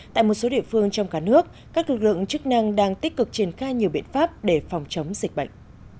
tại một số địa phương trong cả nước các lực lượng chức năng đang tích cực triển khai nhiều biện pháp để phòng chống dịch bệnh